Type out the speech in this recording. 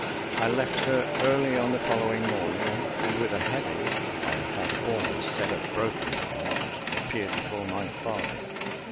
I left her early on the following morning; and with a heavy, I had almost said, a broken heart, appeared before my father.